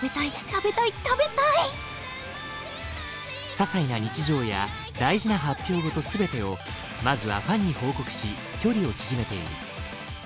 ささいな日常や大事な発表事全てをまずはファンに報告し距離を縮めている。